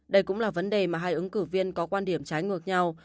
đây cũng là vấn đề mà hai ứng cử viên có quan điểm trái ngược nhau